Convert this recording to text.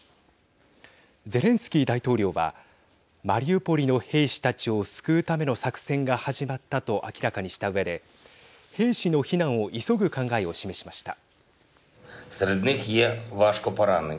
ゼレンスキー大統領はマリウポリの兵士たちを救うための作戦が始まったと明らかにしたうえで兵士の避難を急ぐ考えを示しました。